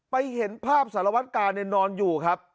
ไปเห็นภาพสารวัฒน์กาลนอนอยู่